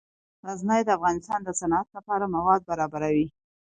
غزني د افغانستان د صنعت لپاره مواد برابروي.